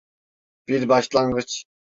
Bir başlangıç.